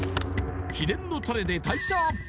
秘伝のタレで代謝アップ